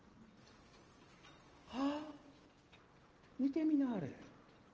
ああ見てみなはれ。